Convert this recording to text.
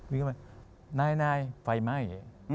วิ่งเข้าไปนายไฟไหม้